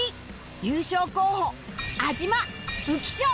優勝候補安嶋浮所